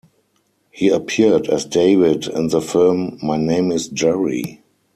He appeared as David in the film "My Name is Jerry".